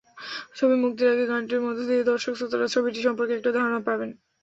ছবি মুক্তির আগে গানটির মধ্য দিয়ে দর্শক-শ্রোতারা ছবিটি সম্পর্কে একটা ধারণা পাবেন।